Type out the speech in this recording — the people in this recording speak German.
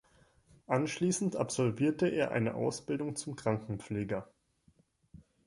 Anschließend absolvierte er eine Ausbildung zum Krankenpfleger.